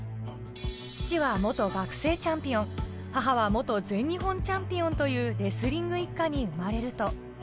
父は元学生チャンピオン、母は元全日本チャンピオンというレスリング一家に生まれると。